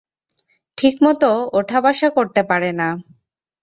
ঠিকমত উঠা বসা করতে পারে না।